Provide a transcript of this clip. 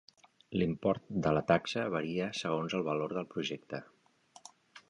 L'import de la taxa varia segons el valor del projecte.